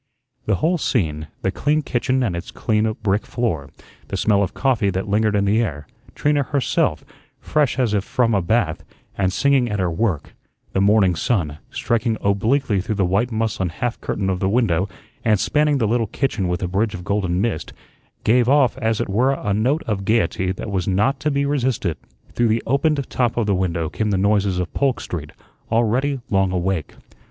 The whole scene the clean kitchen and its clean brick floor; the smell of coffee that lingered in the air; Trina herself, fresh as if from a bath, and singing at her work; the morning sun, striking obliquely through the white muslin half curtain of the window and spanning the little kitchen with a bridge of golden mist gave off, as it were, a note of gayety that was not to be resisted. Through the opened top of the window came the noises of Polk Street, already long awake.